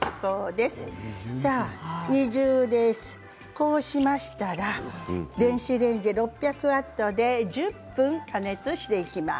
こうしましたら電子レンジ６００ワットで１０分加熱していきます。